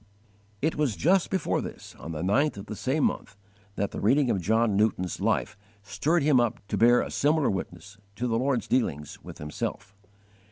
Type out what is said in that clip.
It was just before this, on the ninth of the same month, that _the reading of John Newton's Life stirred him up to bear a similar witness to the Lord's dealings with himself.